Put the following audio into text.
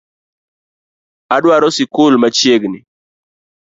Adwaro sikul machiegni